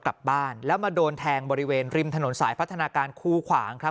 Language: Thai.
กลับบ้านแล้วมาโดนแทงบริเวณริมถนนสายพัฒนาการคู่ขวางครับ